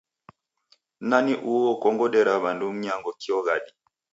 Nani uo ukongodera w'andu mnyango kio ghadi?